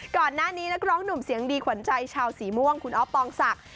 ก่อนหน้านี้นักร้องหนุ่มเสียงดีขวัญใจชาวสีม่วงคุณอ๊อฟปองศักดิ์